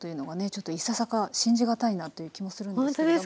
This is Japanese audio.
ちょっといささか信じがたいなという気もするんですけれども。